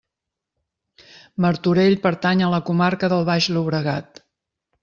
Martorell pertany a la comarca del Baix Llobregat.